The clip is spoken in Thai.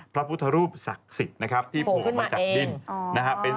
พระพุทธรูปศักดิ์ศิกร์ที่โผล่ขึ้นมาจากดิน